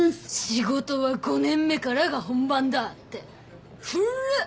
「仕事は５年目からが本番だ」って古っ！